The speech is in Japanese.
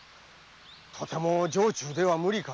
とても城中では無理かと。